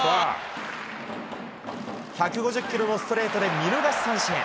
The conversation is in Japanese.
１５０キロのストレートで見逃し三振。